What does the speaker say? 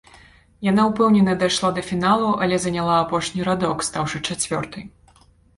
Яна ўпэўнена дайшла да фіналу, але заняла апошні радок, стаўшы чацвёртай.